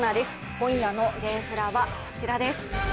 今夜のゲーフラはこちらです。